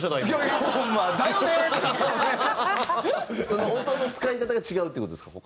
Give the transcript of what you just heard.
その音の使い方が違うっていう事ですか？